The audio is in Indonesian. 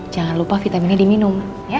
jangan lupa vitaminnya diminum ya